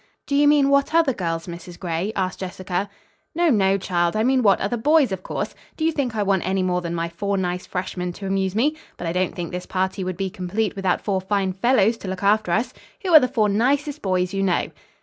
"Do you mean what other girls, Mrs. Gray?" asked Jessica. "No, no, child; I mean what other boys, of course. Do you think I want any more than my four nice freshmen to amuse me? But I don't think this party would be complete without four fine fellows to look after us. Who are the four nicest boys you know?"